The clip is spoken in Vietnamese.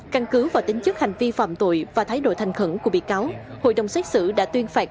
căn cứ vào tính chức hành vi phạm tội và thái độ thành khẩn của bị cáo hội đồng xét xử đã tuyên phạt